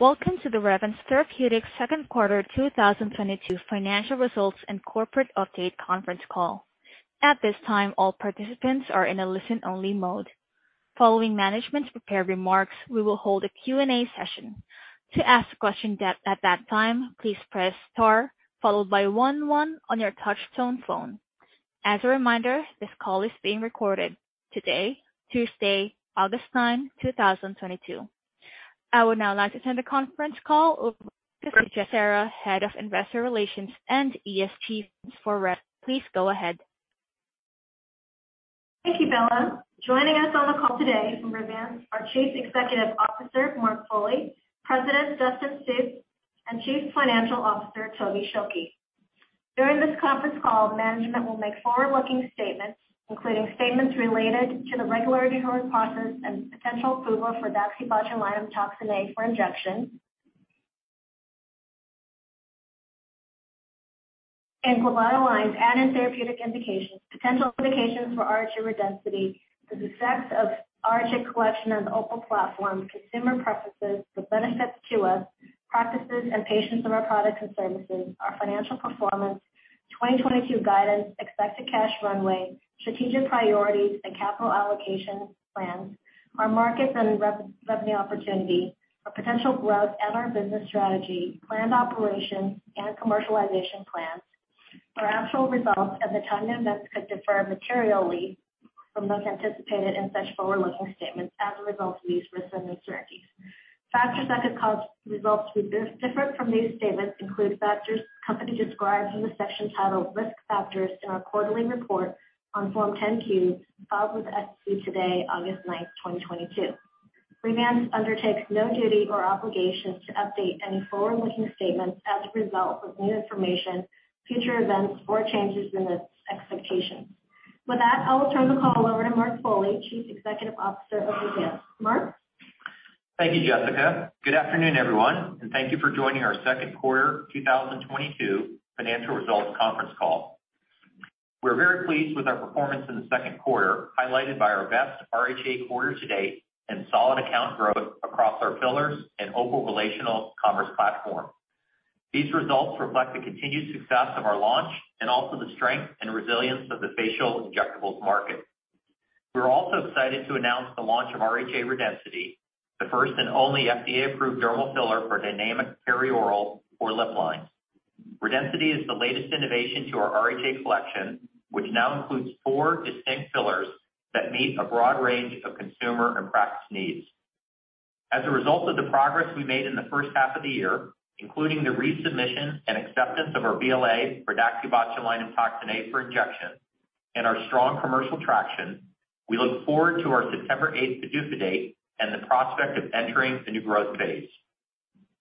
Welcome to the Revance Therapeutics Q2 2022 financial results and corporate update conference call. At this time, all participants are in a listen-only mode. Following management's prepared remarks, we will hold a Q&A session. To ask a question at that time, please press star followed by one one on your touch tone phone. As a reminder, this call is being recorded today, Tuesday, August 9, 2022. I would now like to turn the conference call over to Jessica Serra, Head of Investor Relations and ESG for Revance. Please go ahead. Thank you, Bella. Joining us on the call today from Revance are Chief Executive Officer Mark Foley, President Dustin Sjuts, and Chief Financial Officer Toby Schilke. During this conference call, management will make forward-looking statements, including statements related to the regulatory hearing process and potential approval for DaxibotulinumtoxinA for Injection, glabellar lines and in therapeutic indications, potential indications for RHA Redensity, the effects of RHA Collection and the OPUL platform, consumer preferences, the benefits to our practices and patients of our products and services, our financial performance, 2022 guidance, expected cash runway, strategic priorities and capital allocation plans, our markets and revenue opportunity, Our potential growth and our business strategy, planned operations and commercialization plans. Our actual results and the timing of events could differ materially from those anticipated in such forward-looking statements as a result of these risks and uncertainties. Factors that could cause results to be different from these statements include factors the company describes in the section titled "Risk Factors" in our quarterly report on Form 10-Q filed with the SEC today, August 9, 2022. Revance undertakes no duty or obligation to update any forward-looking statements as a result of new information, future events or changes in its expectations. With that, I will turn the call over to Mark Foley, Chief Executive Officer of Revance. Mark. Thank you, Jessica. Good afternoon, everyone, and thank you for joining our Q2 2022 financial results conference call. We're very pleased with our performance in the Q2, highlighted by our best RHA quarter to date and solid account growth across our fillers and OPUL relational commerce platform. These results reflect the continued success of our launch and also the strength and resilience of the facial injectables market. We're also excited to announce the launch of RHA Redensity, the first and only FDA-approved dermal filler for dynamic perioral or lip lines. Redensity is the latest innovation to our RHA collection, which now includes 4 distinct fillers that meet a broad range of consumer and practice needs. As a result of the progress we made in the first half of the year, including the resubmission and acceptance of our BLA for DaxibotulinumtoxinA for Injection and our strong commercial traction, we look forward to our September eighth PDUFA date and the prospect of entering the new growth Phase.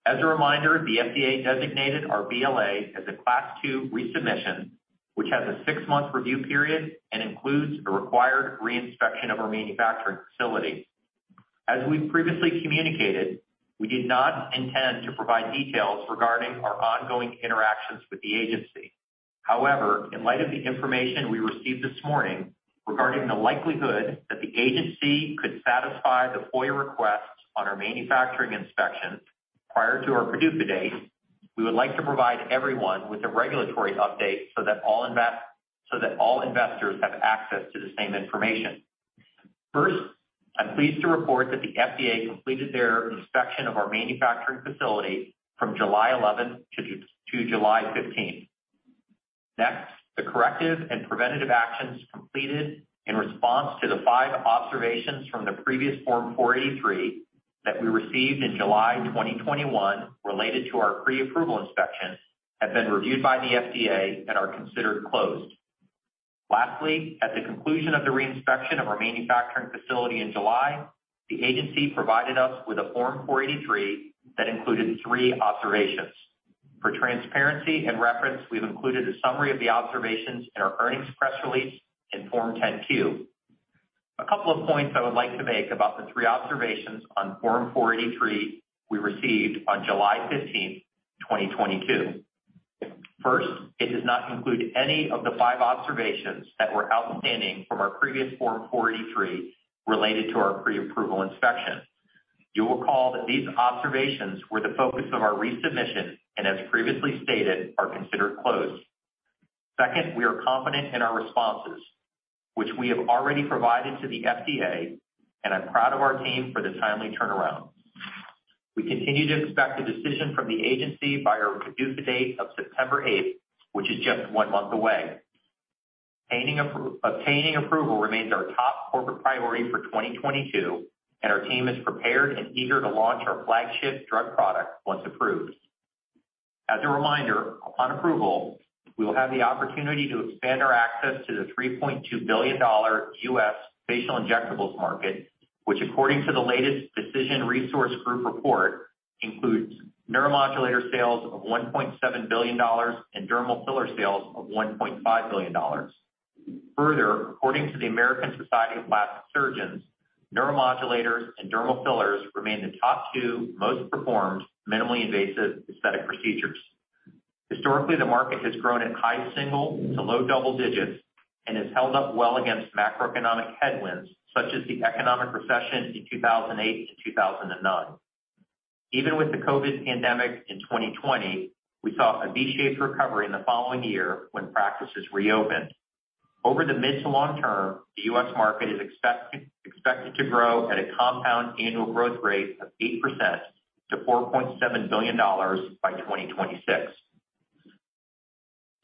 As a reminder, the FDA designated our BLA as a Class II resubmission, which has a six-month review period and includes a required re-inspection of our manufacturing facility. As we've previously communicated, we did not intend to provide details regarding our ongoing interactions with the agency. However, in light of the information we received this morning regarding the likelihood that the agency could satisfy the FOIA request on our manufacturing inspections prior to our PDUFA date, we would like to provide everyone with a regulatory update so that all investors have access to the same information. First, I'm pleased to report that the FDA completed their inspection of our manufacturing facility from July 11 to July 15. Next, the corrective and preventative actions completed in response to the 5 observations from the previous Form 483 that we received in July 2021 related to our pre-approval inspection have been reviewed by the FDA and are considered closed. Lastly, at the conclusion of the re-inspection of our manufacturing facility in July, the agency provided us with a Form 483 that included 3 observations. For transparency and reference, we've included a summary of the observations in our earnings press release in Form 10-Q. A couple of points I would like to make about the 3 observations on Form 483 we received on July 15, 2022. First, it does not include any of the 5 observations that were outstanding from our previous Form 483 related to our pre-approval inspection. You will recall that these observations were the focus of our resubmission and as previously stated, are considered closed. Second, we are confident in our responses, which we have already provided to the FDA, and I'm proud of our team for the timely turnaround. We continue to expect a decision from the agency by our PDUFA date of September 8, which is just one month away. Obtaining approval remains our top corporate priority for 2022, and our team is prepared and eager to launch our flagship drug product once approved. As a reminder, upon approval, we will have the opportunity to expand our access to the $3.2 billion U.S. facial injectables market, which according to the latest Decision Resources Group report, includes neuromodulator sales of $1.7 billion and dermal filler sales of $1.5 billion. Further, according to the American Society of Plastic Surgeons, neuromodulators and dermal fillers remain the top two most performed minimally invasive aesthetic procedures. Historically, the market has grown at high single- to low double-digit and has held up well against macroeconomic headwinds, such as the economic recession in 2008-2009. Even with the COVID pandemic in 2020, we saw a V-shaped recovery in the following year when practices reopened. Over the mid to long term, the U.S. market is expected to grow at a compound annual growth rate of 8% to $4.7 billion by 2026.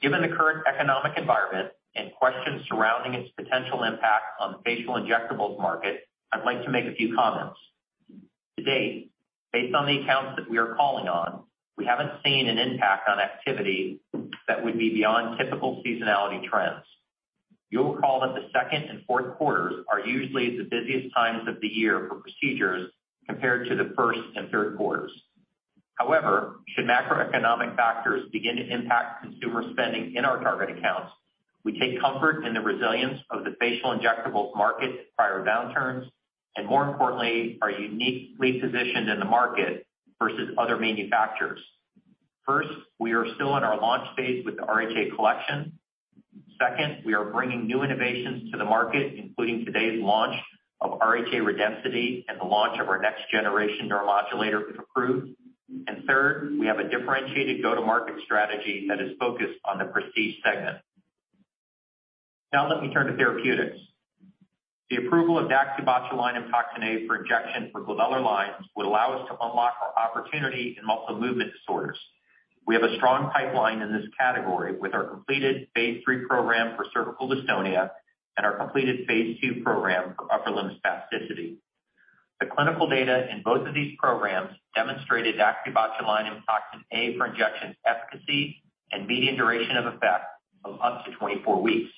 Given the current economic environment and questions surrounding its potential impact on the facial injectables market, I'd like to make a few comments. To date, based on the accounts that we are calling on, we haven't seen an impact on activity that would be beyond typical seasonality trends. You'll recall that the second and Q4s are usually the busiest times of the year for procedures compared to the first and Q3s. However, should macroeconomic factors begin to impact consumer spending in our target accounts, we take comfort in the resilience of the facial injectables market prior downturns, and more importantly, are uniquely positioned in the market versus other manufacturers. First, we are still in our launch Phase with the RHA Collection. Second, we are bringing new innovations to the market, including today's launch of RHA Redensity and the launch of our next generation neuromodulator if approved. Third, we have a differentiated go-to-market strategy that is focused on the prestige segment. Now let me turn to therapeutics. The approval of DaxibotulinumtoxinA for Injection for glabellar lines would allow us to unlock our opportunity in muscle movement disorders. We have a strong pipeline in this category with our completed Phase III program for cervical dystonia and our completed Phase II program for upper limb spasticity. The clinical data in both of these programs demonstrated DaxibotulinumtoxinA for Injection efficacy and median duration of effect of up to 24 weeks.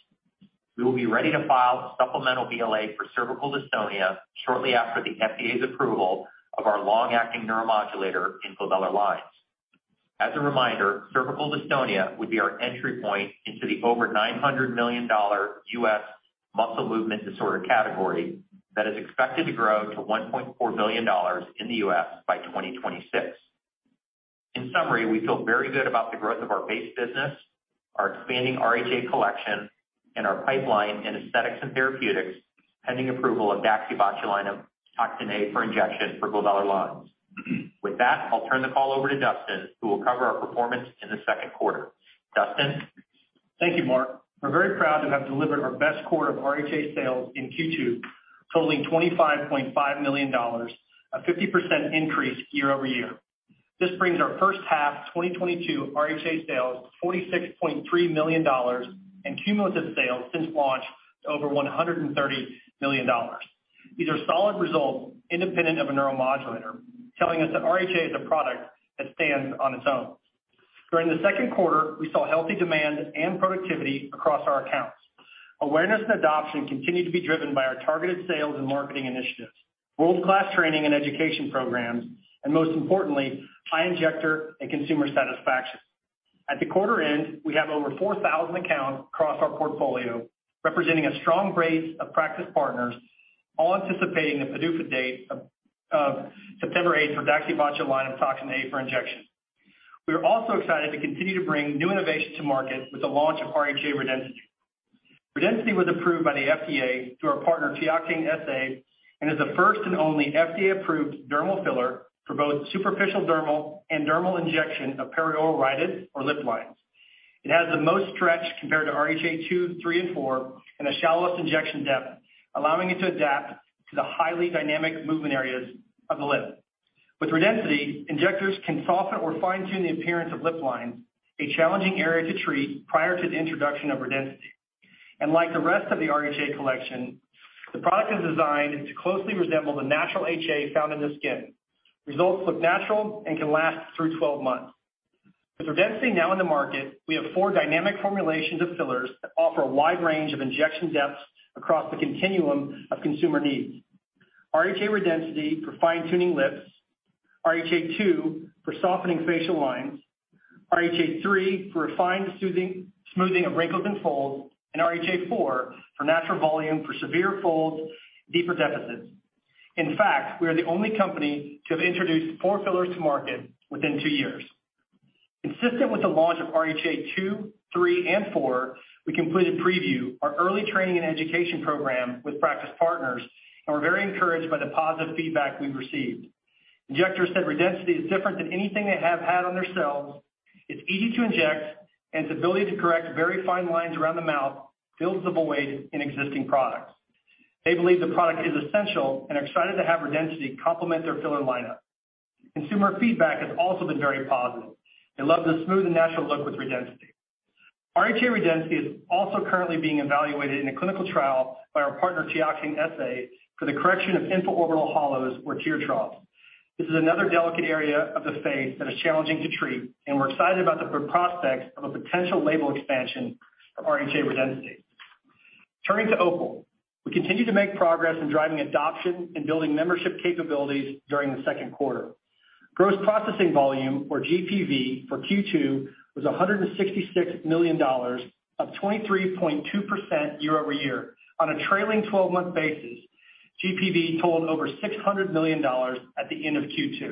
We will be ready to file a supplemental BLA for cervical dystonia shortly after the FDA's approval of our long-acting neuromodulator in glabellar lines. As a reminder, cervical dystonia would be our entry point into the over $900 million U.S. muscle movement disorder category that is expected to grow to $1.4 billion in the U.S. by 2026. In summary, we feel very good about the growth of our base business, our expanding RHA Collection, and our pipeline in aesthetics and therapeutics, pending approval of DaxibotulinumtoxinA for Injection for glabellar lines. With that, I'll turn the call over to Dustin, who will cover our performance in the Q2. Dustin? Thank you, Mark. We're very proud to have delivered our best quarter of RHA sales in Q2, totaling $25.5 million, a 50% increase year-over-year. This brings our first half 2022 RHA sales to $46.3 million and cumulative sales since launch to over $130 million. These are solid results independent of a neuromodulator, telling us that RHA is a product that stands on its own. During the Q2, we saw healthy demand and productivity across our accounts. Awareness and adoption continued to be driven by our targeted sales and marketing initiatives, world-class training and education programs, and most importantly, high injector and consumer satisfaction. At the quarter end, we have over 4,000 accounts across our portfolio, representing a strong base of practice partners, all anticipating the PDUFA date of September 8 for DaxibotulinumtoxinA for Injection. We are also excited to continue to bring new innovations to market with the launch of RHA Redensity. Redensity was approved by the FDA through our partner TEOXANE SA and is the first and only FDA-approved dermal filler for both superficial dermal and dermal injection of perioral rhytids or lip lines. It has the most stretch compared to RHA two, three, and four and the shallowest injection depth, allowing it to adapt to the highly dynamic movement areas of the lip. With Redensity, injectors can soften or fine-tune the appearance of lip lines, a challenging area to treat prior to the introduction of Redensity. Like the rest of the RHA Collection, the product is designed to closely resemble the natural HA found in the skin. Results look natural and can last through 12 months. With RHA Redensity now in the market, we have 4 dynamic formulations of fillers that offer a wide range of injection depths across the continuum of consumer needs. RHA Redensity for fine-tuning lips, RHA 2 for softening facial lines, RHA 3 for refined smoothing of wrinkles and folds, and RHA 4 for natural volume for severe folds, deeper deficits. In fact, we are the only company to have introduced four fillers to market within two years. Consistent with the launch of RHA 2, 3, and 4, we completed PrevU, our early training and education program with practice partners, and we're very encouraged by the positive feedback we've received. Injectors said RHA Redensity is different than anything they have had on their shelves. It's easy to inject, and its ability to correct very fine lines around the mouth fills the void in existing products. They believe the product is essential and are excited to have RHA Redensity complement their filler lineup. Consumer feedback has also been very positive. They love the smooth and natural look with RHA Redensity. RHA Redensity is also currently being evaluated in a clinical trial by our partner TEOXANE SA for the correction of infraorbital hollows or tear troughs. This is another delicate area of the face that is challenging to treat, and we're excited about the prospects of a potential label expansion of RHA Redensity. Turning to OPUL, we continued to make progress in driving adoption and building membership capabilities during the Q2. Gross processing volume, or GPV, for Q2 was $166 million up 23.2% year-over-year. On a trailing twelve-month basis, GPV totaled over $600 million at the end of Q2.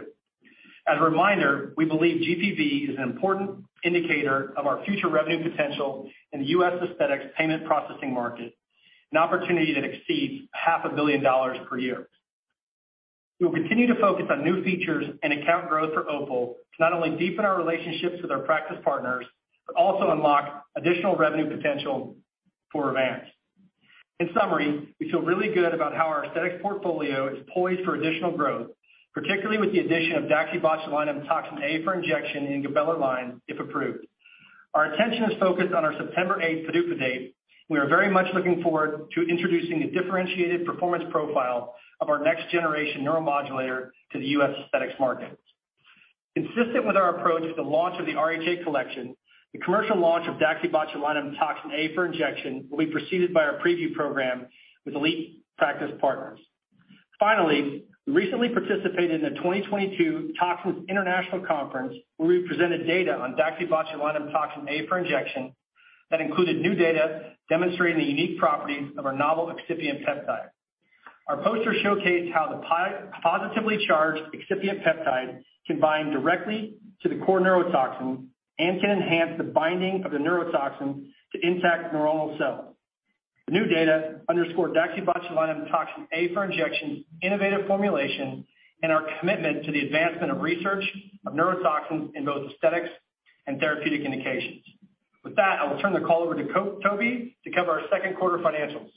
As a reminder, we believe GPV is an important indicator of our future revenue potential in the U.S. aesthetics payment processing market, an opportunity that exceeds half a billion dollars per year. We will continue to focus on new features and account growth for OPUL to not only deepen our relationships with our practice partners, but also unlock additional revenue potential for Revance. In summary, we feel really good about how our aesthetics portfolio is poised for additional growth, particularly with the addition of DaxibotulinumtoxinA for Injection in the bellar line, if approved. Our attention is focused on our September eighth PDUFA date. We are very much looking forward to introducing a differentiated performance profile of our next generation neuromodulator to the U.S. aesthetics market. Consistent with our approach to the launch of the RHA® Collection, the commercial launch of DaxibotulinumtoxinA for Injection will be preceded by our PrevU program with elite practice partners. Finally, we recently participated in the 2022 Toxins International Conference, where we presented data on DaxibotulinumtoxinA for Injection that included new data demonstrating the unique properties of our novel excipient peptide. Our poster showcased how the pI-positively charged excipient peptide can bind directly to the core neurotoxin and can enhance the binding of the neurotoxin to intact neuronal cells. The new data underscored DaxibotulinumtoxinA for Injection's innovative formulation and our commitment to the advancement of research of neurotoxins in both aesthetics and therapeutic indications. With that, I will turn the call over to CFO Toby to cover our Q2 financials.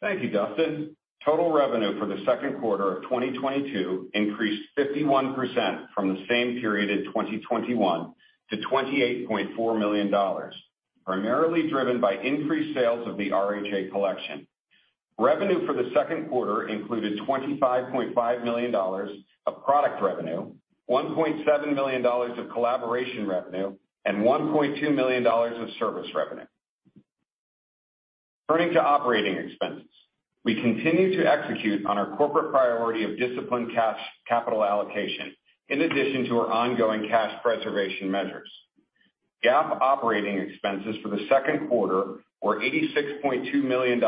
Thank you, Dustin. Total revenue for the Q2 of 2022 increased 51% from the same period in 2021 to $28.4 million, primarily driven by increased sales of the RHA Collection. Revenue for the Q2 included $25.5 million of product revenue, $1.7 million of collaboration revenue, and $1.2 million of service revenue. Turning to operating expenses. We continue to execute on our corporate priority of disciplined cash capital allocation in addition to our ongoing cash preservation measures. GAAP operating expenses for the Q2 were $86.2 million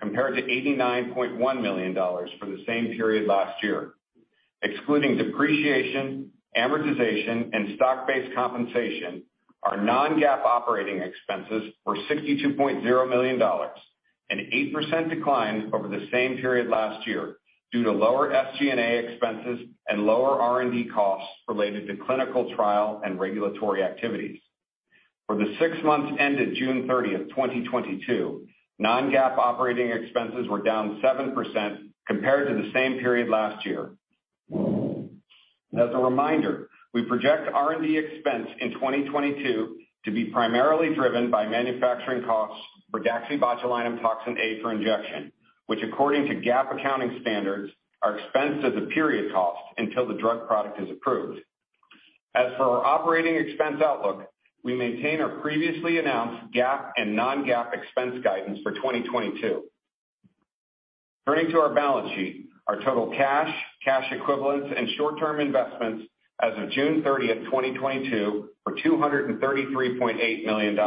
compared to $89.1 million for the same period last year. Excluding depreciation, amortization, and stock-based compensation, our non-GAAP operating expenses were $62.0 million, an 8% decline over the same period last year due to lower SG&A expenses and lower R&D costs related to clinical trial and regulatory activities. For the six months ended June 30, 2022, non-GAAP operating expenses were down 7% compared to the same period last year. As a reminder, we project R&D expense in 2022 to be primarily driven by manufacturing costs for DaxibotulinumtoxinA for Injection, which according to GAAP accounting standards, are expensed as a period cost until the drug product is approved. As for our operating expense outlook, we maintain our previously announced GAAP and non-GAAP expense guidance for 2022. Turning to our balance sheet. Our total cash equivalents, and short-term investments as of June 30, 2022, were $233.8 million.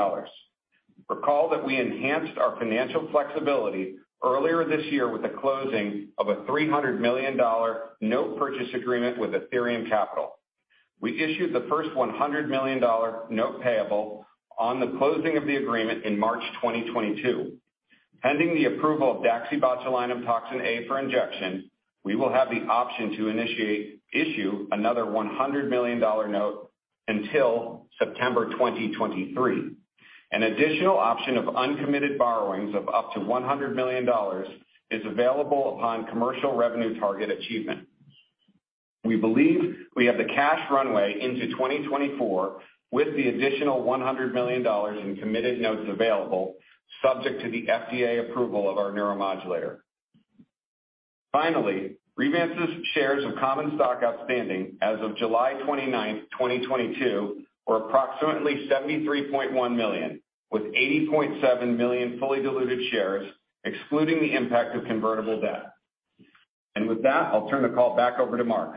Recall that we enhanced our financial flexibility earlier this year with the closing of a $300 million note purchase agreement with Athyrium Capital Management. We issued the first $100 million note payable on the closing of the agreement in March 2022. Pending the approval of DaxibotulinumtoxinA for Injection, we will have the option to issue another $100 million note until September 2023. An additional option of uncommitted borrowings of up to $100 million is available upon commercial revenue target achievement. We believe we have the cash runway into 2024 with the additional $100 million in committed notes available subject to the FDA approval of our neuromodulator. Finally, Revance's shares of common stock outstanding as of July 29, 2022, were approximately 73.1 million, with 80.7 million fully diluted shares, excluding the impact of convertible debt. With that, I'll turn the call back over to Mark.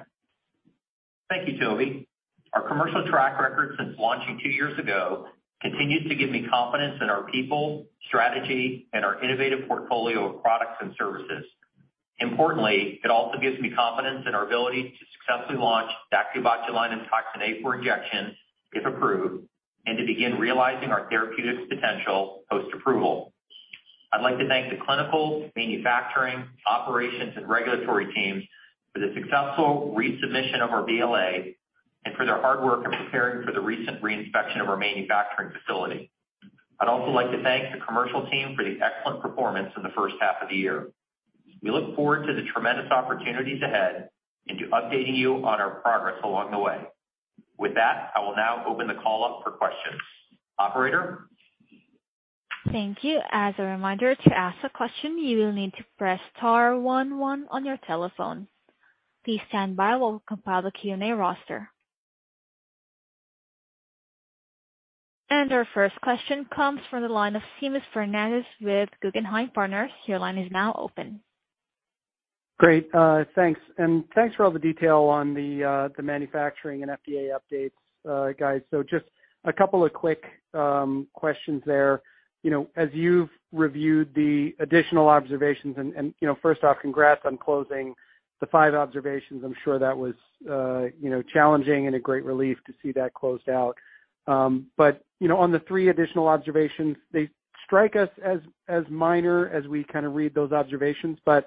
Thank you, Toby. Our commercial track record since launching two years ago continues to give me confidence in our people, strategy, and our innovative portfolio of products and services. Importantly, it also gives me confidence in our ability to successfully launch DaxibotulinumtoxinA for Injection, if approved, and to begin realizing our therapeutic potential post-approval. I'd like to thank the clinical, manufacturing, operations, and regulatory teams for the successful resubmission of our BLA and for their hard work in preparing for the recent re-inspection of our manufacturing facility. I'd also like to thank the commercial team for the excellent performance in the first half of the year. We look forward to the tremendous opportunities ahead and to updating you on our progress along the way. With that, I will now open the call up for questions. Operator? Thank you. As a reminder, to ask a question, you will need to press star one one on your telephone. Please stand by while we compile the Q&A roster. Our first question comes from the line of Seamus Fernandez with Guggenheim Partners. Your line is now open. Great. Thanks. And thanks for all the detail on the manufacturing and FDA updates, guys. Just a couple of quick questions there. As you've reviewed the additional observations and first off, congrats on closing the 5 observations. I'm sure that was challenging and a great relief to see that closed out. but on the three additional observations, they strike us as minor as we kind of read those observations. but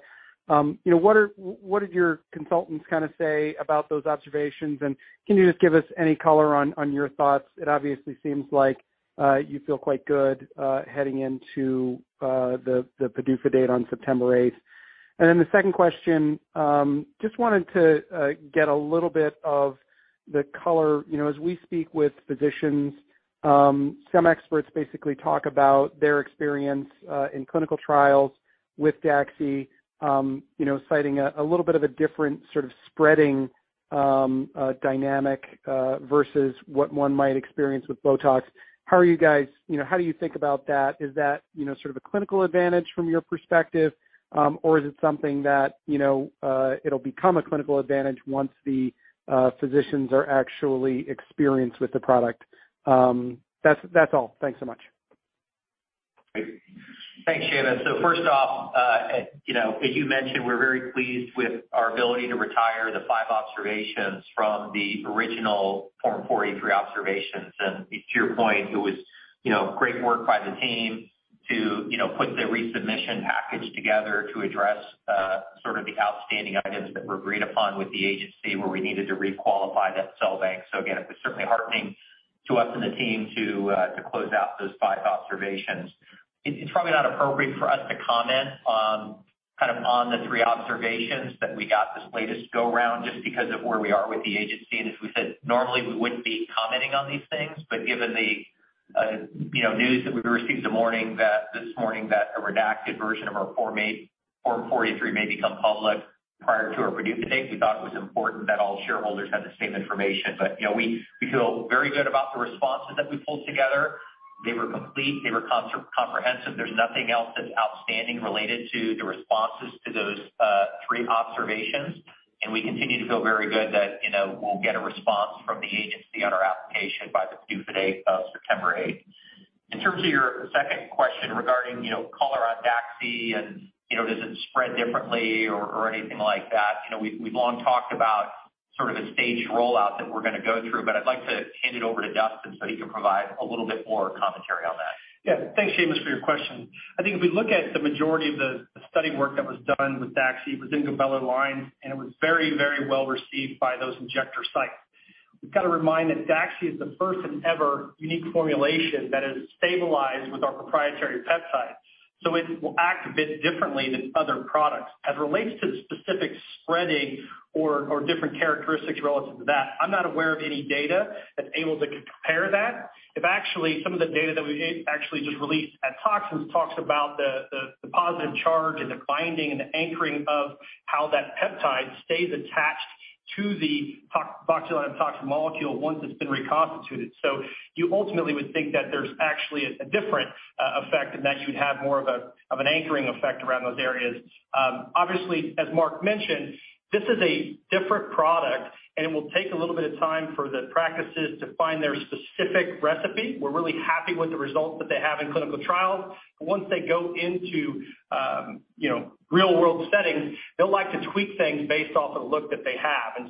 what did your consultants kinda say about those observations? And can you just give us any color on your thoughts? It obviously seems like you feel quite good heading into the PDUFA date on September eighth. The second question, just wanted to get a little bit of the color. As we speak with physicians, some experts basically talk about their experience in clinical trials with daxi citing a little bit of a different sort of spreading dynamic versus what one might experience with BOTOX. How are you guys how do you think about that? Is that sort of a clinical advantage from your perspective, or is it something that it'll become a clinical advantage once the physicians are actually experienced with the product? That's all. Thanks so much. Great. Thanks, Seamus. First off as you mentioned, we're very pleased with our ability to retire the five observations from the original Form 483 observations. To your point, it was great work by the team to put the resubmission package together to address sort of the outstanding items that were agreed upon with the agency where we needed to requalify that cell bank. Again, it was certainly heartening to us and the team to close out those five observations. It's probably not appropriate for us to comment on kind of on the three observations that we got this latest go-round just because of where we are with the agency. As we said, normally we wouldn't be commenting on these things, but given the news that we received this morning that a redacted version of our Form 483 may become public prior to our PDUFA date, we thought it was important that all shareholders have the same information. We feel very good about the responses that we pulled together. They were complete, they were comprehensive. There's nothing else that's outstanding related to the responses to those three observations. We continue to feel very good that we'll get a response from the agency on our application by the PDUFA date of September eighth. In terms of your second question regarding color on DAXI and does it spread differently or anything like that we've long talked about sort of a staged rollout that we're going to go through. I'd like to hand it over to Dustin so he can provide a little bit more commentary on that. Yeah. Thanks, Seamus, for your question. I think if we look at the majority of the study work that was done with DAXI within glabellar lines, and it was very well received by those injector sites. We've got to remind that DAXI is the first and ever unique formulation that is stabilized with our proprietary peptide, so it will act a bit differently than other products. As it relates to the specific spreading or different characteristics relative to that, I'm not aware of any data that's able to compare that. If actually, some of the data that we actually just released at Toxins talks about the positive charge and the binding and the anchoring of how that peptide stays attached to the botulinum toxin molecule once it's been reconstituted. You ultimately would think that there's actually a different effect in that you'd have more of an anchoring effect around those areas. Obviously, as Mark mentioned, this is a different product, and it will take a little bit of time for the practices to find their specific recipe. We're really happy with the results that they have in clinical trials. Once they go into real-world settings, they'll like to tweak things based off of the look that they have.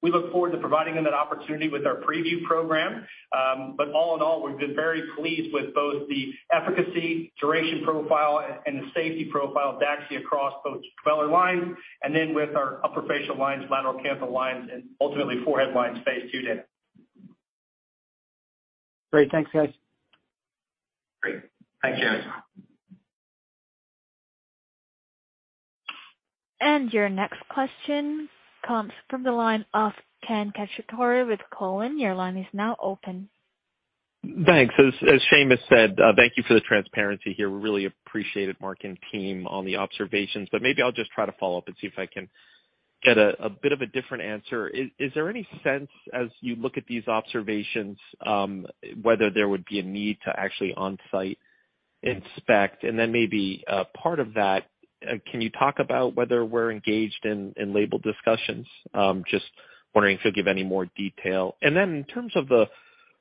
We look forward to providing them that opportunity with our PrevU program. All in all, we've been very pleased with both the efficacy, duration profile, and the safety profile of DAXI across both glabellar lines and then with our upper facial lines, lateral canthal lines and ultimately forehead lines Phase II data. Great. Thanks, guys. Great. Thanks, Seamus. Your next question comes from the line of Ken Cacciatore with Cowen. Your line is now open. Thanks. As Seamus said, thank you for the transparency here. We really appreciate it, Mark and team, on the observations. Maybe I'll just try to follow up and see if I can get a bit of a different answer. Is there any sense as you look at these observations, whether there would be a need to actually on-site inspect? Then maybe part of that, can you talk about whether we're engaged in label discussions? Just wondering if you'll give any more detail. Then in terms of the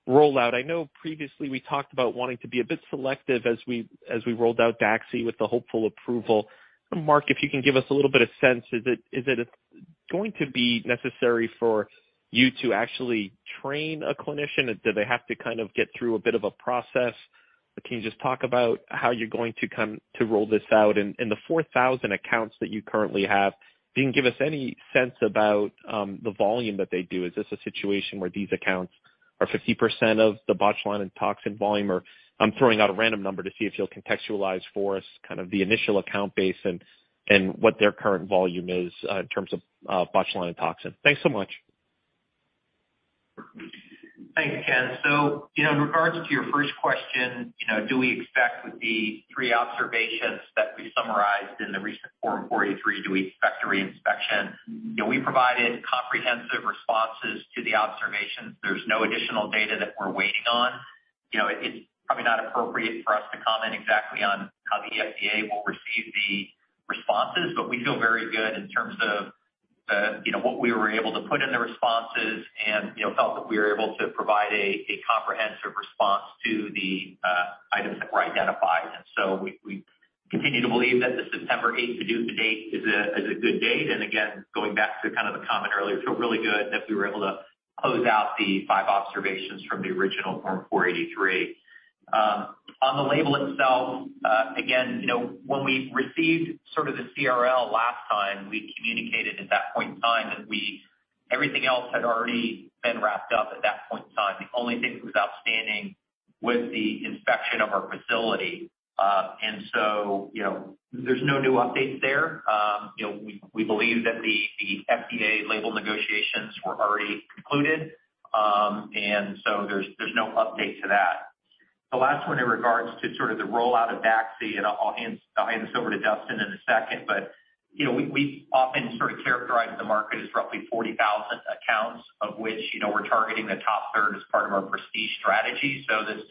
rollout, I know previously we talked about wanting to be a bit selective as we rolled out DAXI with the hopeful approval. Mark, if you can give us a little bit of sense, is it going to be necessary for you to actually train a clinician? Do they have to kind of get through a bit of a process? Can you just talk about how you're going to come to roll this out? The 4,000 accounts that you currently have, can you give us any sense about the volume that they do? Is this a situation where these accounts are 50% of the botulinum toxin volume? Or I'm throwing out a random number to see if you'll contextualize for us kind of the initial account base and what their current volume is in terms of botulinum toxin. Thanks so much. Thanks, Ken. In regards to your first question do we expect with the three observations that we summarized in the recent Form 483, do we expect a re-inspection? We provided comprehensive responses to the observations. There's no additional data that we're waiting on. It's probably not appropriate for us to comment exactly on how the FDA will receive the responses, but we feel very good in terms of what we were able to put in the responses and felt that we were able to provide a comprehensive response to the items that were identified. We continue to believe that the September eighth PDUFA date is a good date. Going back to kind of the comment earlier, feel really good that we were able to close out the five observations from the original Form 483. On the label itself, again when we received sort of the CRL last time, we communicated at that point in time that everything else had already been wrapped up at that point in time. The only thing that was outstanding was the inspection of our facility. There's no new updates there. We believe that the FDA label negotiations were already concluded. There's no update to that. The last one in regards to sort of the rollout of DAXI, and I'll hand this over to Dustin in a second. We often sort of characterize the market as roughly 40,000 accounts of which we're targeting the top third as part of our prestige strategy. So this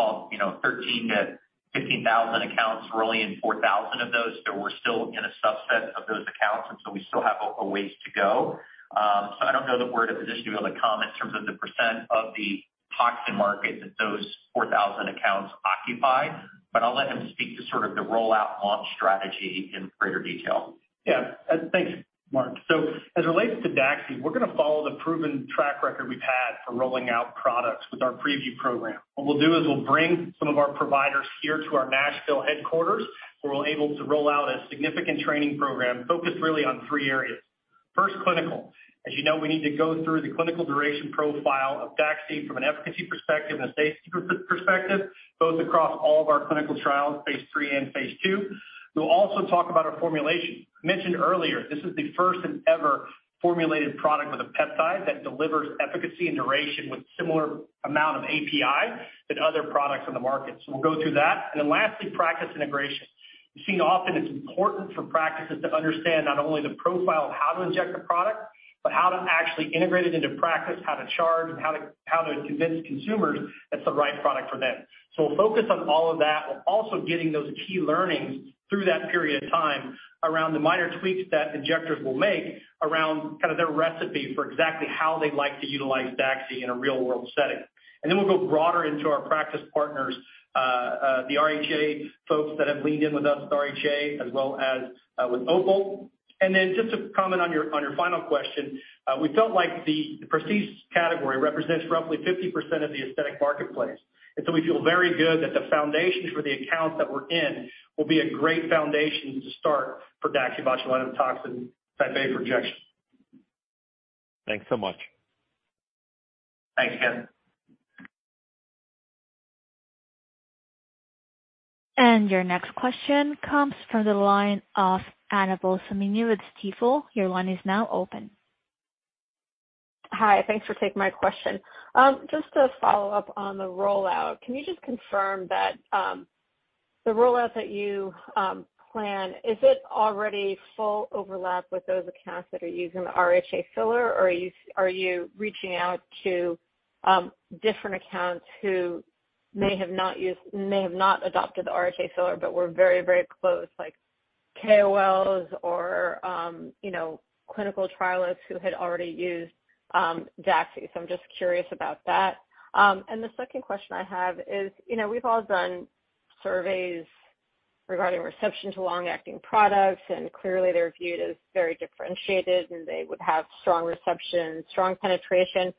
13,000-15,000 accounts, we're only in 4,000 of those. So we're still in a subset of those accounts, and so we still have a ways to go. So I don't know that we're in a position to be able to comment in terms of the percent of the toxin market that those 4,000 accounts occupy, but I'll let him speak to sort of the rollout launch strategy in greater detail. Yeah. Thanks, Mark. As it relates to DAXI, we're going to follow the proven track record we've had for rolling out products with our preview program. What we'll do is we'll bring some of our providers here to our Nashville headquarters, where we're able to roll out a significant training program focused really on three areas. First, clinical. As we need to go through the clinical duration profile of DAXI from an efficacy perspective and a safety perspective, both across all of our clinical trials, Phase III and Phase II. We'll also talk about our formulation. Mentioned earlier, this is the first ever formulated product with a peptide that delivers efficacy and duration with similar amount of API than other products on the market. We'll go through that. Then lastly, practice integration. You see often it's important for practices to understand not only the profile of how to inject a product, but how to actually integrate it into practice, how to charge and how to convince consumers it's the right product for them. We'll focus on all of that. We're also getting those key learnings through that period of time around the minor tweaks that injectors will make around kind of their recipe for exactly how they'd like to utilize DAXI in a real-world setting. We'll go broader into our practice partners, the RHA folks that have leaned in with us at the RHA as well as with OPUL. Just to comment on your final question, we felt like the prestige category represents roughly 50% of the aesthetic marketplace. We feel very good that the foundations for the accounts that we're in will be a great foundation to start for DaxibotulinumtoxinA for Injection. Thanks so much. Thanks again. Your next question comes from the line of Annabel Samimy with Stifel. Your line is now open. Hi. Thanks for taking my question. Just to follow up on the rollout, can you just confirm that, the rollout that you plan, is it already full overlap with those accounts that are using the RHA filler or are you reaching out to, different accounts who may have not adopted the RHA filler but were very, very close like KOLs or clinical trialists who had already used, DAXI? So I'm just curious about that. And the second question I have is we've all done surveys regarding reception to long-acting products, and clearly they're viewed as very differentiated, and they would have strong reception, strong penetration.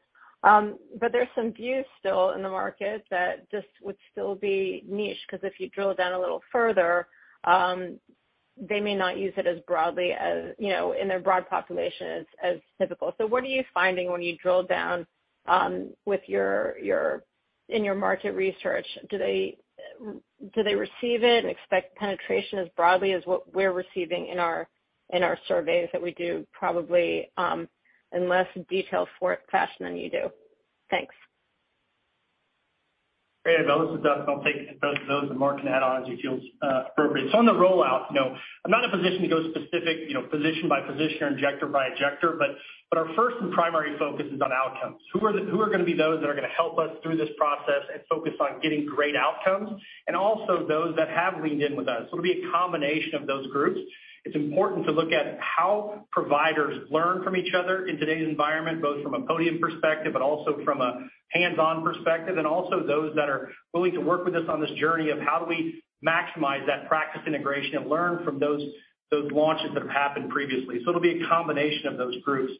There's some views still in the market that just would still be niche 'cause if you drill down a little further, they may not use it as broadly as in their broad population as typical. What are you finding when you drill down in your market research? Do they receive it and expect penetration as broadly as what we're receiving in our surveys that we do probably in less detailed fashion than you do? Thanks. Hey, Annabel. This is Dustin. I'll take both of those and Mark can add on as he feels appropriate. On the rollout I'm not in a position to go specific position by position or injector by injector, but our first and primary focus is on outcomes. Who are going to be those that are going to help us through this process and focus on getting great outcomes and also those that have leaned in with us? It'll be a combination of those groups. It's important to look at how providers learn from each other in today's environment, both from a podium perspective but also from a hands-on perspective, and also those that are willing to work with us on this journey of how do we maximize that practice integration and learn from those launches that have happened previously. It'll be a combination of those groups.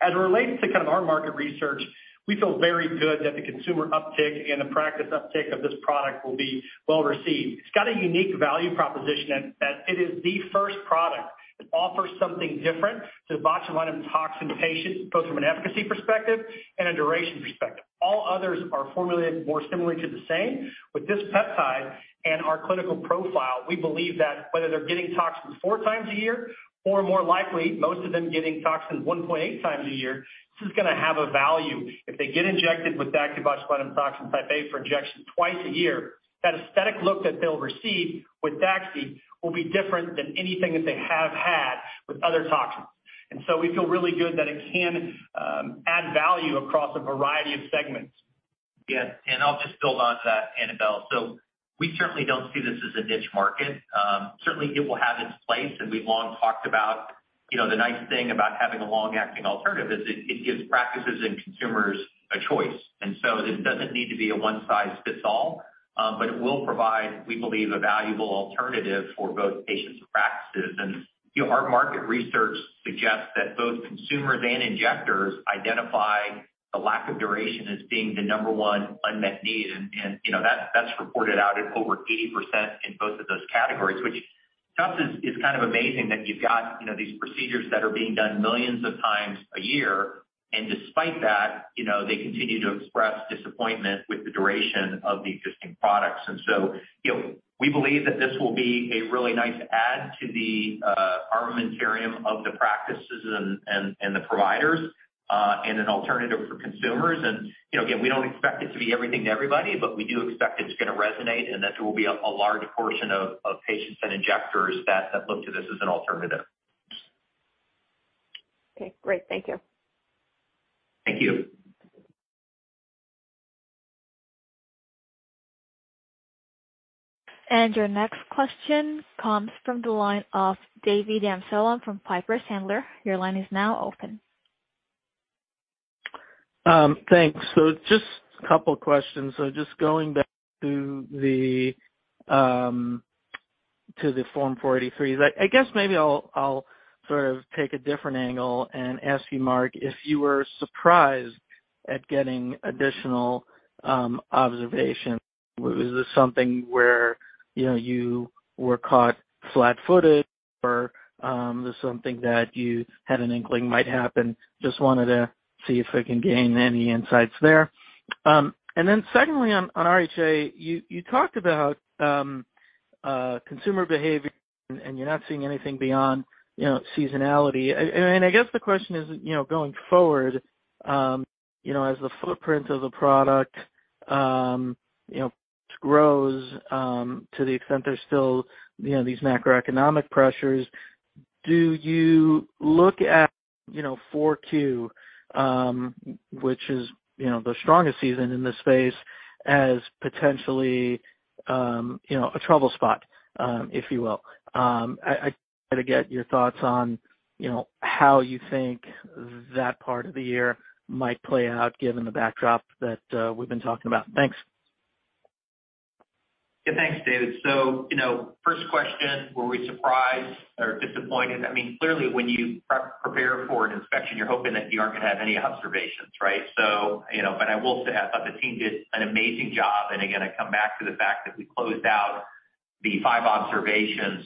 As it relates to kind of our market research, we feel very good that the consumer uptick and the practice uptick of this product will be well received. It's got a unique value proposition in that it is the first product that offers something different to botulinum toxin patients, both from an efficacy perspective and a duration perspective. All others are formulated more similarly to the same. With this peptide and our clinical profile, we believe that whether they're getting toxin 4 times a year or more likely most of them getting toxins 1.8 times a year, this is going to have a value. If they get injected with DaxibotulinumtoxinA for Injection 2 times a year, that aesthetic look that they'll receive with DAXXIFY will be different than anything that they have had with other toxins. We feel really good that it can add value across a variety of segments. Yes, I'll just build on to that, Annabel. We certainly don't see this as a niche market. Certainly it will have its place, and we've long talked about the nice thing about having a long-acting alternative is it gives practices and consumers a choice. This doesn't need to be a one size fits all, but it will provide, we believe, a valuable alternative for both patients and practices. Our market research suggests that both consumers and injectors identify the lack of duration as being the number one unmet need. That's reported out at over 80% in both of those categories, which to us is kind of amazing that you've got these procedures that are being done millions of times a year, and despite that they continue to express disappointment with the duration of the existing products. We believe that this will be a really nice add to the armamentarium of the practices and the providers, and an alternative for consumers. Again, we don't expect it to be everything to everybody, but we do expect it's going to resonate and that there will be a large portion of patients and injectors that look to this as an alternative. Okay, great. Thank you. Thank you. Your next question comes from the line of David Amsellem from Piper Sandler. Your line is now open. Thanks. Just a couple questions. Just going back to the Form 483s. I guess maybe I'll sort of take a different angle and ask you, Mark, if you were surprised at getting additional observations. Was this something where you were caught flat-footed or, was this something that you had an inkling might happen? Just wanted to see if I can gain any insights there. Secondly, on RHA, you talked about consumer behavior and you're not seeing anything beyond seasonality. I guess the question is going forward as the footprint of the product grows, to the extent there's still these macroeconomic pressures, do you look at 4Q, which is the strongest season in this space, as potentially a trouble spot, if you will? I try to get your thoughts on how you think that part of the year might play out given the backdrop that we've been talking about. Thanks. Yeah, thanks, David. First question, were we surprised or disappointed? I mean, clearly when you prepare for an inspection, you're hoping that you aren't going to have any observations, right? I will say I thought the team did an amazing job. Again, I come back to the fact that we closed out the 5 observations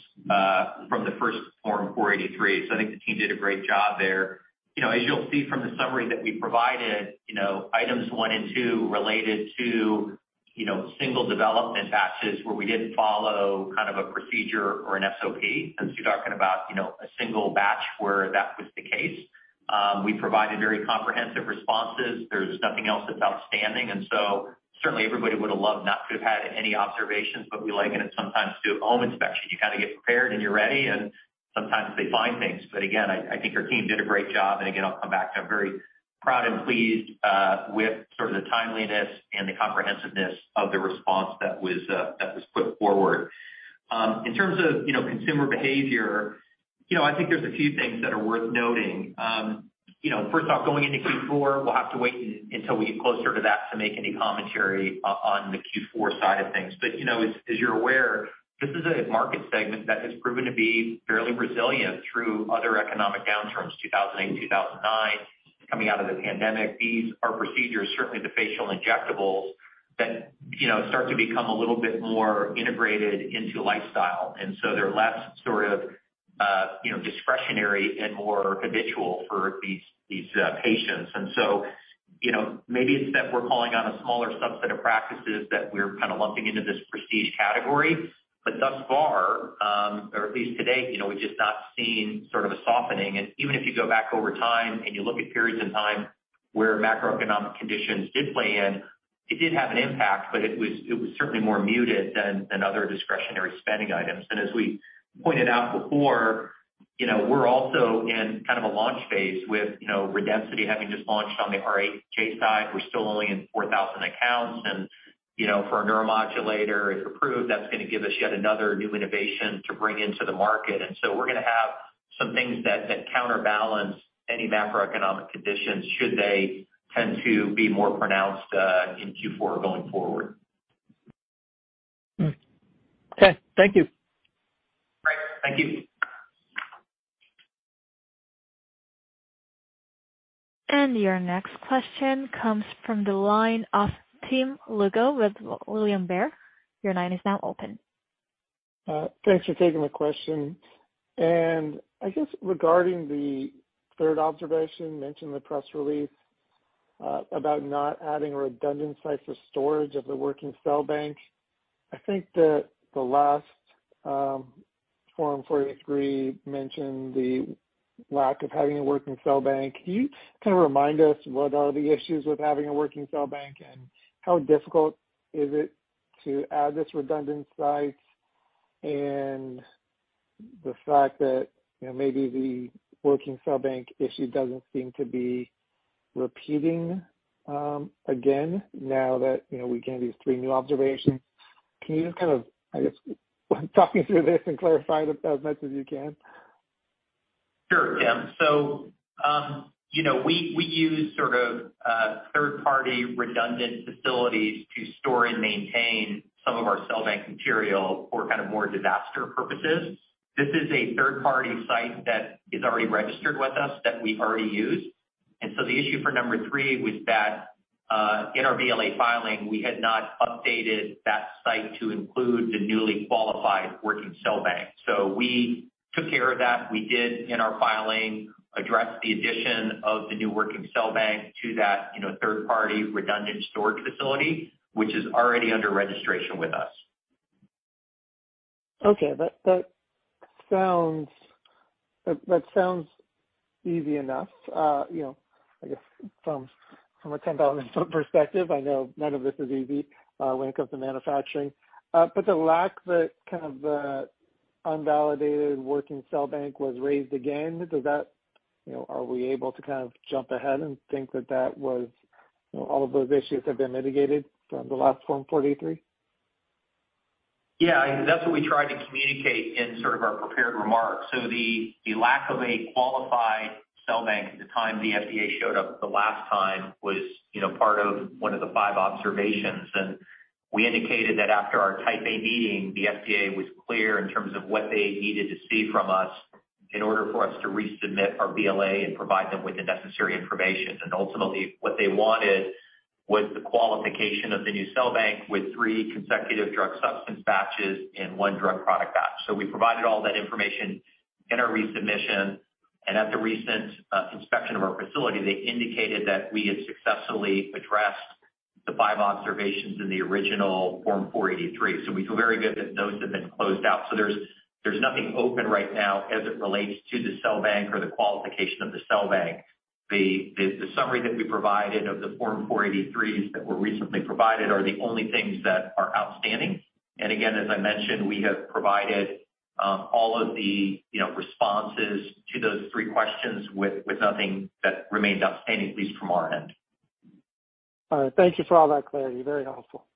from the first Form 483. I think the team did a great job there. As you'll see from the summary that we provided items 1 and 2 related to single development batches where we didn't follow kind of a procedure or an SOP, since you're talking about a single batch where that was the case. We provided very comprehensive responses. There's nothing else that's outstanding. Certainly everybody would have loved not to have had any observations, but we like it sometimes too. Our own inspection, you kinda get prepared and you're ready, and sometimes they find things. But again, I think our team did a great job. I'll come back to. I'm very proud and pleased with sort of the timeliness and the comprehensiveness of the response that was put forward. In terms of consumer behavior I think there's a few things that are worth noting. First off, going into Q4, we'll have to wait until we get closer to that to make any commentary on the Q4 side of things. As you're aware, this is a market segment that has proven to be fairly resilient through other economic downturns, 2008, 2009, coming out of the pandemic. These are procedures, certainly the facial injectables that start to become a little bit more integrated into lifestyle. They're less sort of discretionary and more habitual for these patients. Maybe it's that we're calling on a smaller subset of practices that we're kind of lumping into this prestige category. Thus far, or at least to date we've just not seen sort of a softening. Even if you go back over time and you look at periods in time where macroeconomic conditions did play in, it did have an impact, but it was certainly more muted than other discretionary spending items. As we pointed out before we're also in kind of a launch Phase with Redensity having just launched on the RHA side. We're still only in 4,000 accounts. For a neuromodulator, if approved, that's going to give us yet another new innovation to bring into the market. We're going to have some things that counterbalance any macroeconomic conditions should they tend to be more pronounced in Q4 going forward. Okay. Thank you. Great. Thank you. Your next question comes from the line of Tim Lugo with William Blair. Your line is now open. Thanks for taking my question. I guess regarding the third observation mentioned in the press release, about not adding redundant sites for storage of the working cell bank, I think that the last Form 483 mentioned the lack of having a working cell bank. Can you kind of remind us what are the issues with having a working cell bank, and how difficult is it to add this redundant sites? The fact that maybe the working cell bank issue doesn't seem to be repeating again now that we gave these three new observations. Can you just kind of, I guess, walk me through this and clarify it as much as you can? Sure, Tim. We use sort of third-party redundant facilities to store and maintain some of our cell bank material for kind of more disaster purposes. This is a third-party site that is already registered with us that we already use. The issue for number three was that in our BLA filing, we had not updated that site to include the newly qualified working cell bank. We took care of that. We did in our filing address the addition of the new working cell bank to that third-party redundant storage facility, which is already under registration with us. Okay. That sounds easy enough I guess from a 10,000-foot perspective. I know none of this is easy when it comes to manufacturing. But the fact that the unvalidated working cell bank was raised again, does that are we able to kind of jump ahead and think that that was all of those issues have been mitigated from the last Form 483? Yeah. That's what we tried to communicate in sort of our prepared remarks. The lack of a qualified cell bank at the time the FDA showed up the last time was part of one of the five observations. We indicated that after our type A meeting, the FDA was clear in terms of what they needed to see from us in order for us to resubmit our BLA and provide them with the necessary information. Ultimately, what they wanted was the qualification of the new cell bank with three consecutive drug substance batches and one drug product batch. We provided all that information in our resubmission. At the recent inspection of our facility, they indicated that we had successfully addressed the five observations in the original Form 483. We feel very good that those have been closed out. There's nothing open right now as it relates to the cell bank or the qualification of the cell bank. The summary that we provided of the Form 483s that were recently provided are the only things that are outstanding. Again, as I mentioned, we have provided all of the responses to those three questions with nothing that remains outstanding, at least from our end. All right. Thank you for all that clarity. Very helpful.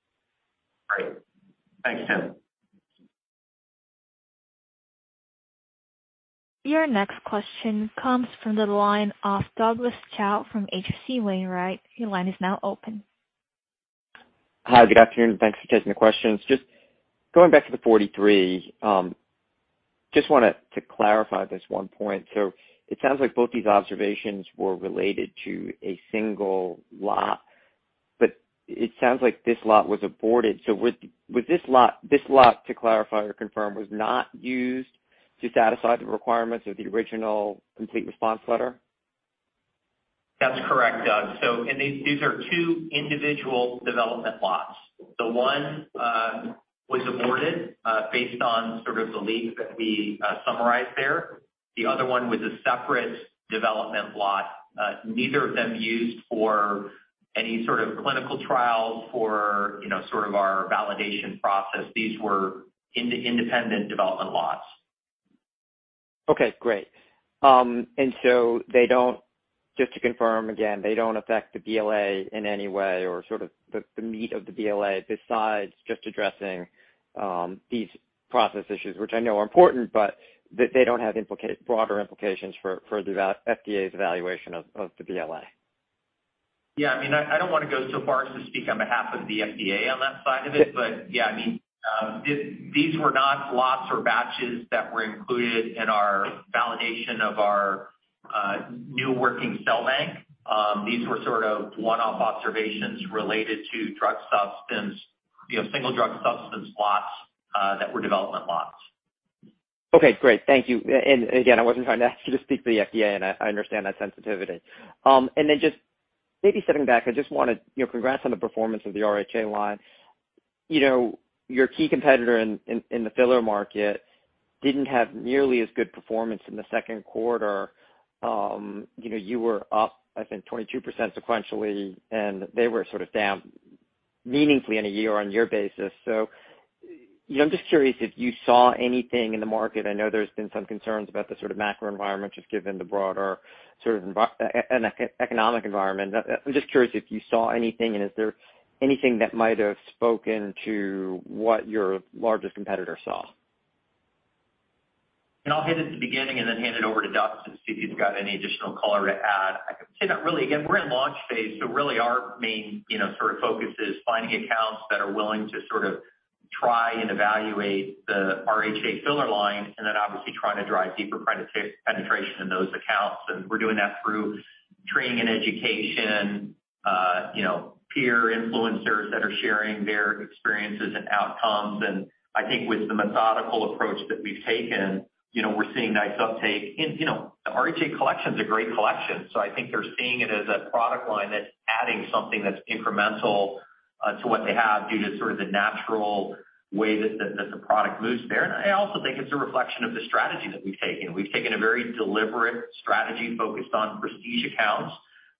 Great. Thanks, Tim. Your next question comes from the line of Douglas Tsao from H.C. Wainwright. Your line is now open. Hi. Good afternoon. Thanks for taking the questions. Just going back to the 483, just wanted to clarify this one point. It sounds like both these observations were related to a single lot, but it sounds like this lot was aborted. Would this lot to clarify or confirm was not used to satisfy the requirements of the original complete response letter? That's correct, Doug. These are two individual development lots. The one was aborted based on sort of the leak that we summarized there. The other one was a separate development lot. Neither of them used for any sort of clinical trials for sort of our validation process. These were independent development lots. Okay, great. Just to confirm again, they don't affect the BLA in any way or sort of the meat of the BLA besides just addressing these process issues, which I know are important, but they don't have broader implications for FDA's evaluation of the BLA. Yeah. I mean, I don't want to go so far as to speak on behalf of the FDA on that side of it. Yeah, I mean, these were not lots or batches that were included in our validation of our new working cell bank. These were sort of one-off observations related to drug substance single drug substance lots that were development lots. Okay, great. Thank you. Again, I wasn't trying to ask you to speak to the FDA, and I understand that sensitivity. Then just maybe stepping back, I just wanted congrats on the performance of the RHA line. Your key competitor in the filler market didn't have nearly as good performance in the Q2. You were up, I think, 22% sequentially, and they were sort of down meaningfully on a year-on-year basis. I'm just curious if you saw anything in the market. I know there's been some concerns about the sort of macro environment, just given the broader sort of economic environment. I'm just curious if you saw anything and is there anything that might have spoken to what your largest competitor saw? I'll hit it at the beginning and then hand it over to Doug to see if he's got any additional color to add. I'd say that really again, we're in launch Phase, so really our main sort of focus is finding accounts that are willing to sort of try and evaluate the RHA filler line and then obviously trying to drive deeper penetration in those accounts. We're doing that through training and education peer influencers that are sharing their experiences and outcomes. I think with the methodical approach that we've taken we're seeing nice uptake. RHA Collection's a great collection, so I think they're seeing it as a product line that's adding something that's incremental to what they have due to sort of the natural way that the product moves there. I also think it's a reflection of the strategy that we've taken. We've taken a very deliberate strategy focused on prestige accounts.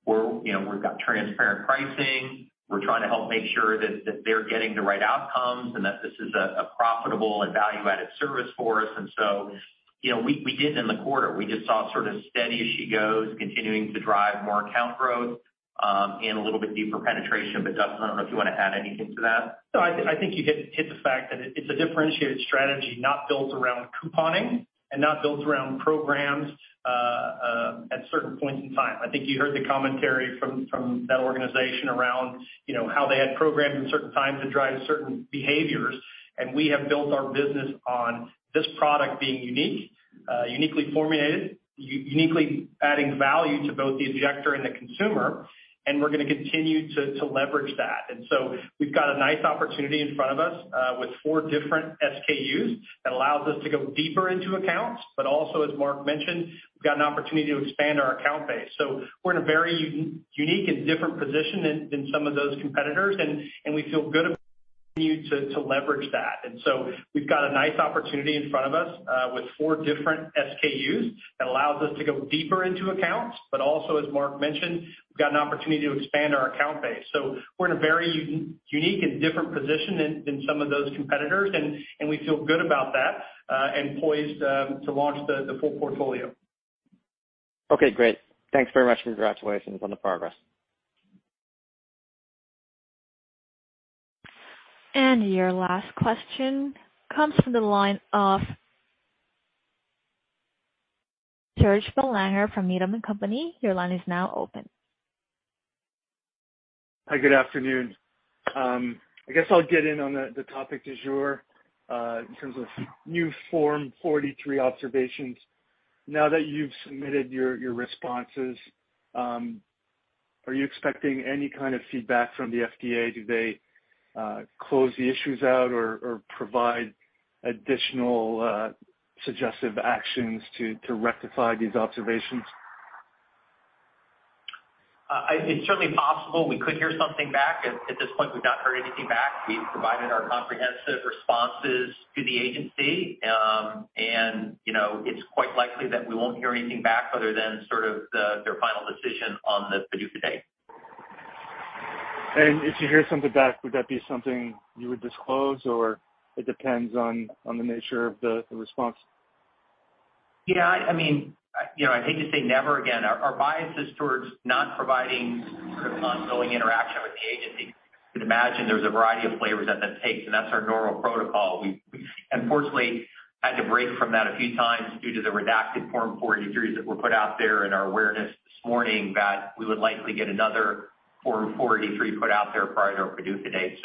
we're we've got transparent pricing. We're trying to help make sure that they're getting the right outcomes, and that this is a profitable and value-added service for us. We did it in the quarter. We just saw sort of steady as she goes, continuing to drive more account growth, and a little bit deeper penetration. Dustin, I don't know if you want to add anything to that. No, I think you hit the fact that it's a differentiated strategy not built around couponing and not built around programs at certain points in time. I think you heard the commentary from that organization around how they had programs at certain times to drive certain behaviors. We have built our business on this product being unique, uniquely formulated, uniquely adding value to both the injector and the consumer, and we're going to continue to leverage that. We've got a nice opportunity in front of us with 4 different SKUs that allows us to go deeper into accounts. Also, as Mark mentioned, we've got an opportunity to expand our account base. We're in a very unique and different position than some of those competitors. We feel good about continuing to leverage that. We've got a nice opportunity in front of us with 4 different SKUs that allows us to go deeper into accounts. Also, as Mark mentioned, we've got an opportunity to expand our account base. We're in a very unique and different position than some of those competitors, and we feel good about that, and poised to launch the full portfolio. Okay, great. Thanks very much. Congratulations on the progress. Your last question comes from the line of Serge Belanger from Needham & Company. Your line is now open. Hi, good afternoon. I guess I'll get in on the topic du jour in terms of new Form 483 observations. Now that you've submitted your responses, are you expecting any kind of feedback from the FDA? Do they close the issues out or provide additional suggestive actions to rectify these observations? It's certainly possible we could hear something back. At this point, we've not heard anything back. We've provided our comprehensive responses to the agency. It's quite likely that we won't hear anything back other than their final decision on the PDUFA date. If you hear something back, would that be something you would disclose, or it depends on the nature of the response? Yeah, I mean I hate to say never again. Our bias is towards not providing sort of ongoing interaction with the agency. You'd imagine there's a variety of flavors that takes, and that's our normal protocol. We've unfortunately had to break from that a few times due to the redacted Form 483s that were put out there and our awareness this morning that we would likely get another Form 483 put out there prior to our PDUFA date.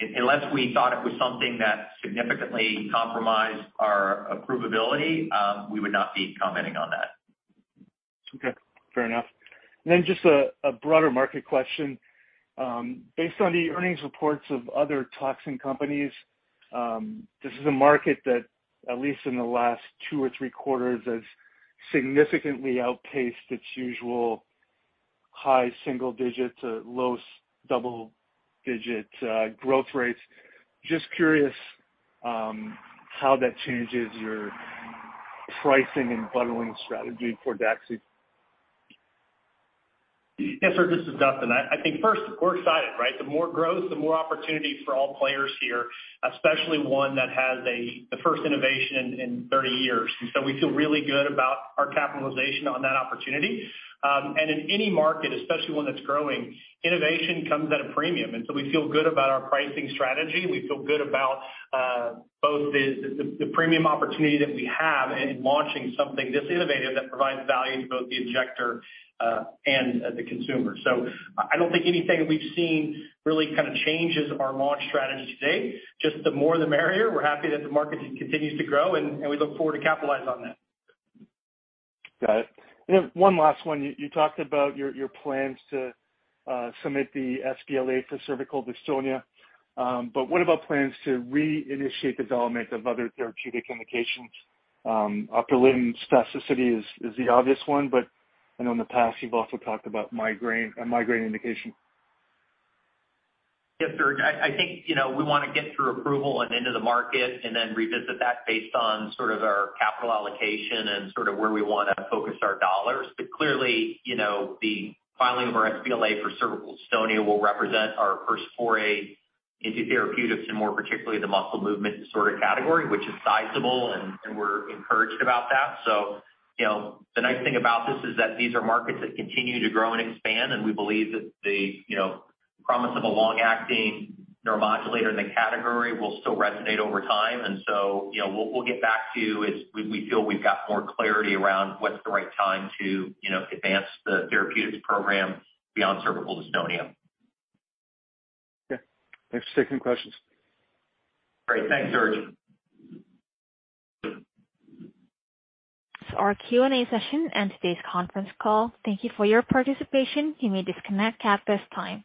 Unless we thought it was something that significantly compromised our approvability, we would not be commenting on that. Okay, fair enough. Just a broader market question. Based on the earnings reports of other toxin companies, this is a market that at least in the last 2 or 3 quarters has significantly outpaced its usual high single-digit to low double-digit growth rates. Just curious, how that changes your pricing and bundling strategy for DAXXIFY. Yes, sir. This is Dustin. I think first we're excited, right? The more growth, the more opportunity for all players here, especially one that has the first innovation in thirty years. We feel really good about our capitalization on that opportunity. In any market, especially one that's growing, innovation comes at a premium. We feel good about our pricing strategy. We feel good about both the premium opportunity that we have in launching something this innovative that provides value to both the injector and the consumer. I don't think anything we've seen really kind of changes our launch strategy today, just the more the merrier. We're happy that the market continues to grow and we look forward to capitalize on that. Got it. One last one. You talked about your plans to submit the sBLA for cervical dystonia. What about plans to reinitiate development of other therapeutic indications? Upper limb spasticity is the obvious one, but I know in the past you've also talked about migraine, a migraine indication. Yes, sir. I think we want to get through approval and into the market and then revisit that based on sort of our capital allocation and sort of where we want to focus our dollars. clearly the filing of our sBLA for cervical dystonia will represent our first foray into therapeutics and more particularly the muscle movement disorder category, which is sizable, and we're encouraged about that. The nice thing about this is that these are markets that continue to grow and expand, and we believe that the promise of a long-acting neuromodulator in the category will still resonate over time. We'll get back to you as we feel we've got more clarity around what's the right time to advance the therapeutics program beyond cervical dystonia. Okay. Thanks for taking questions. Great. Thanks, Serge. That's our Q&A session and today's conference call. Thank you for your participation. You may disconnect at this time.